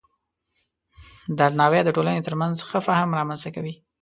درناوی د ټولنې ترمنځ ښه فهم رامنځته کوي.